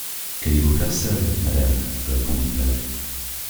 Qu’allez-vous faire seule, madame? répondit Paz